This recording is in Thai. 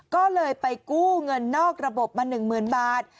ก็เลยไปกู้เงินนอกระบบมา๑๐๐๐บาท